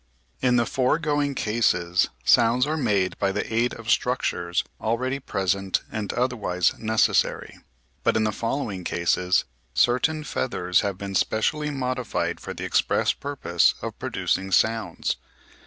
] In the foregoing cases sounds are made by the aid of structures already present and otherwise necessary; but in the following cases certain feathers have been specially modified for the express purpose of producing sounds.